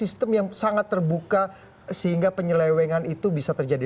sistem yang sangat terbuka sehingga penyelewengan itu bisa terjadi